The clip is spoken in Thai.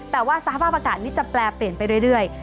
แต่ว่าสภาพอากาศนี้จะแปลเปลี่ยนไปเรื่อย